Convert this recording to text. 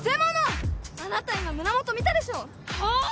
あなた今胸元見たでしょう！はあ？